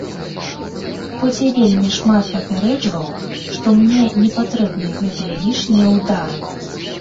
Хоць я вельмі шмат папярэджваў, што мне не патрэбны гэтыя лішнія ўдары.